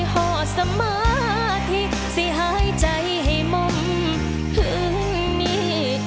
หอสมาธิสิหายใจให้มึงมี